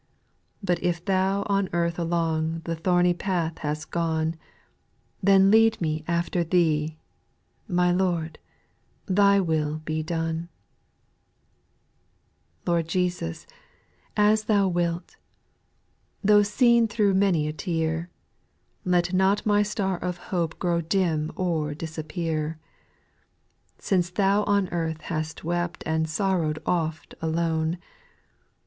But Thou on earth along The thorny path hast gone ; Then lead me after Thee, — My Lord, Thy will be done ! 4. Lord Jesus, as Thou wilt ! Though seen through many a tear, Let not my star of hope Grow dim or disappear; Since Thou on earth hast wept And sorrowed oft alone.